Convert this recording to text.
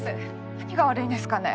何が悪いんですかね